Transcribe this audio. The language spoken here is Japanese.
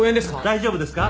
大丈夫ですか！？